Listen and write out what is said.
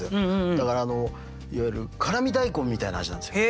だからいわゆる辛味大根みたいな味なんですよ。